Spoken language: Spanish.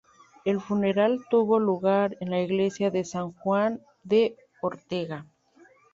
El funeral tuvo lugar en la iglesia de San Juan de Ortega.